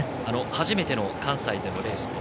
初めての関西でのレースと。